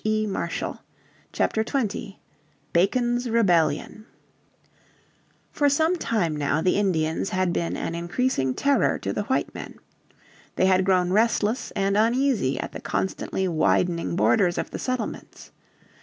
__________ Chapter 20 Bacon's Rebellion For some time now the Indians had been an increasing terror to the white men. They had grown restless and uneasy at the constantly widening borders of the settlements.